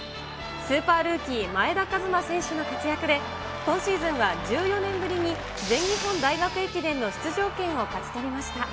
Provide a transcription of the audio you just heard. スーパールーキー、前田和摩選手の活躍で、今シーズンは１４年ぶりに全日本大学駅伝の出場権を勝ち取りました。